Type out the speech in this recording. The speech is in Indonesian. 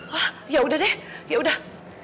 hah yaudah deh yaudah